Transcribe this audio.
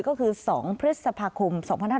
ก็คือ๒พฤษภาคม๒๕๖๒